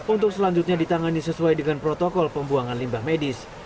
untuk selanjutnya ditangani sesuai dengan protokol pembuangan limbah medis